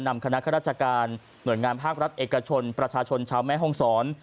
นำคณะข้าราชการหน่วยงานภาครัฐเอกชนประชาชนชาวแม่ห้องศร